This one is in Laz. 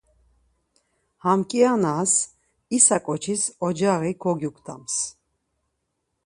Ham kianas isa ǩoçis ocaği kogyuktams.